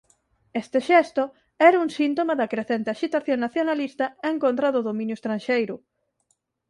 Este xesto era un síntoma da crecente axitación nacionalista en contra do dominio estranxeiro.